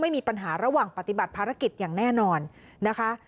มีปัญหาระหว่างปฏิบัติภารกิจอย่างแน่นอนนะคะ